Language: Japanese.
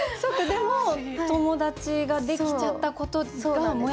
でも友達ができちゃったことがモヤモヤする。